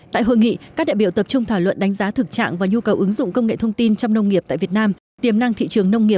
tại hội nghị các đại biểu tập trung thảo luận đánh giá thực trạng và nhu cầu ứng dụng công nghệ thông tin